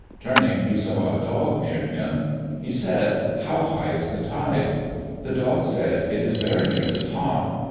Turning, he saw a dog near him. He said, "How high is the tide?" The dog said, "It is very near the top."